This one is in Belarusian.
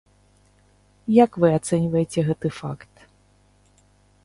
Як вы ацэньваеце гэты факт?